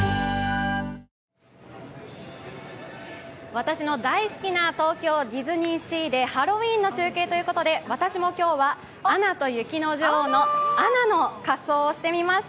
私の出し好きな東京ディズニーシーでハロウィーンの中継ということで私も今日は「アナと雪の女王」のアナの仮装をしてみました。